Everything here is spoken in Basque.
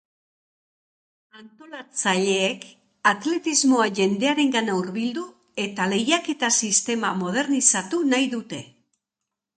Antolatzaileek atletismoa jendearengana hurbildu eta lehiaketa sistema modernizatu nahi dute.